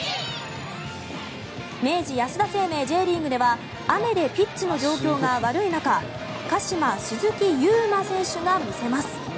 明治安田生命Ｊリーグでは雨でピッチの状況が悪い中鹿島、鈴木優磨選手が見せます。